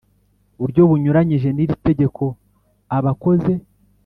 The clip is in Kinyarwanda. buryo bunyuranyije n iri tegeko aba akoze